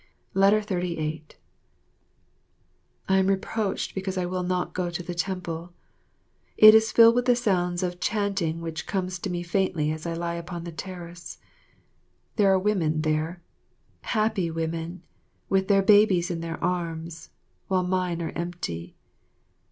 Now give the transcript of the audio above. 38 I am reproached because I will not go to the temple. It is filled with the sounds of chanting which comes to me faintly as I lie upon the terrace. There are women there, happy women, with their babies in their arms, while mine are empty.